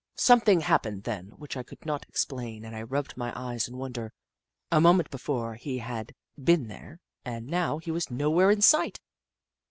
Something happened then which I could not explain, and I rubbed my eyes in wonder. A moment before he had been there and now he was nowhere in sight.